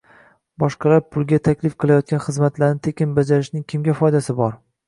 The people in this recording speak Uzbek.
Boshqalar pulga taklif qilayotgan xizmatlarni tekin bajarishning kimga foydasi bor